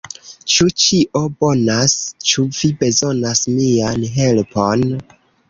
"Ĉu ĉio bonas? Ĉu vi bezonas mian helpon?"